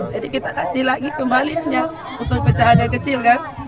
jadi kita kasih lagi kembalinya untuk pecahan yang kecil kan